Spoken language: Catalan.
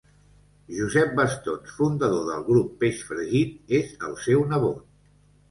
Josep Bastons, fundador del grup Peix Fregit, és el seu nebot.